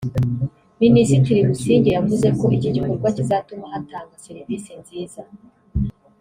Minisitiri Busingye yavuze ko iki gikorwa kizatuma hatangwa serivisi nziza